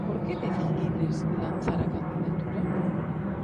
Por que decidides lanzar a candidatura?